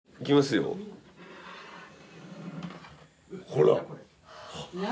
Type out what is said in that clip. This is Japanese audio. ほら。